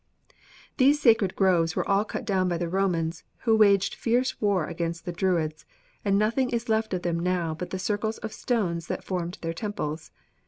"These sacred groves were all cut down by the Romans, who waged fierce war against the Druids, and nothing is left of them now but the circles of stones that formed their temples.